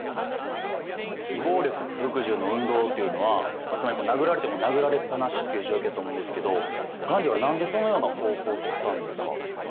非暴力・不服従の運動っていうのはつまり殴られても殴られっぱなしっていう状況やと思うんですけどガンディーは何でそのような方法をとったんですか？